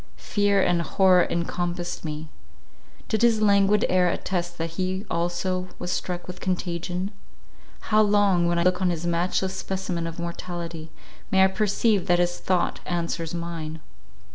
Fear and horror encompassed me. Did his languid air attest that he also was struck with contagion? How long, when I look on this matchless specimen of mortality, may I perceive that his thought answers mine?